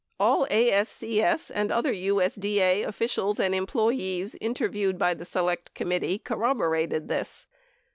All ASCS and other USDA officials and employees inter viewed by the Select Committee corroborated this.